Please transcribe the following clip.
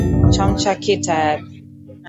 Chamcha ki tayari.